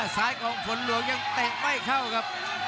สายของผลลวงยังเต็บไม่เข้ากับ